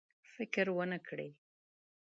فکر ونه کړي.